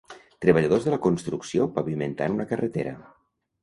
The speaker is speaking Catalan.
Treballadors de la construcció pavimentant una carretera.